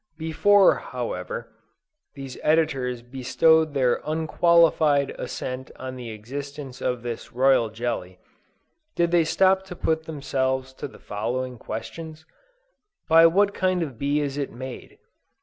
Before, however, these editors bestowed their unqualified assent on the existence of this royal jelly, did they stop to put to themselves the following questions? By what kind of bee is it made?